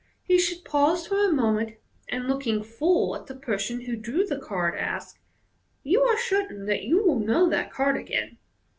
He should pause for a moment, and, looking full at the person who drew the card, ask, " You are certain that you will know that card again